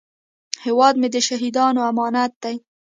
هیواد مې د شهیدانو امانت دی